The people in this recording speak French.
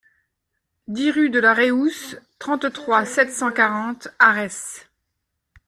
dix rue de la Réousse, trente-trois, sept cent quarante, Arès